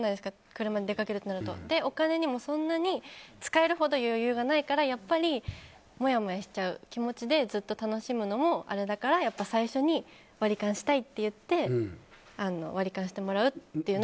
車で出かけるとなるとお金も、そんなに使えるほど余裕がないからもやもやした気持ちでずっと楽しむのもあれだから最初に割り勘したいって言って割り勘してもらってます。